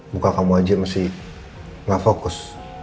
muka kamu aja masih gak fokus